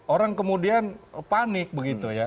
orang kemudian panik begitu ya